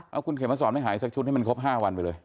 เอาคุณเขมสอนไม่หายสักชุดให้มันครบ๕วันไปเลย